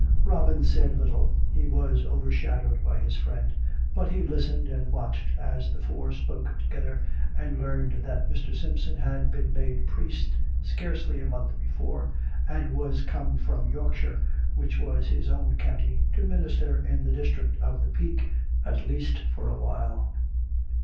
Robin said little; he was overshadowed by his friend; but he listened and watched as the four spoke together, and learned that Mr. Simpson had been made priest scarce ly a month before, and was come from Yorkshire, v/hich was his own countj" , to minister in the district of the Peak at least for awhile.